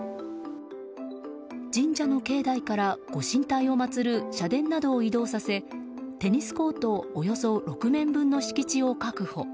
神社の境内からご神体を祭る社殿などを移動させテニスコートおよそ６面分の敷地を確保。